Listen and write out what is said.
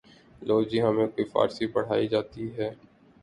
لو جی ہمیں کوئی فارسی پڑھائی جاتی ہے